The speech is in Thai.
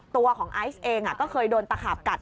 ตัวของไอซ์เองก็เคยโดนตะขาบกัด